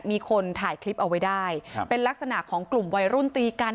มีคนถ่ายคลิปเอาไว้ได้ครับเป็นลักษณะของกลุ่มวัยรุ่นตีกัน